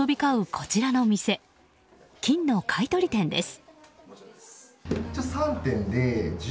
こちらの店金の買い取り店です。